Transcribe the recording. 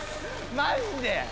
マジで？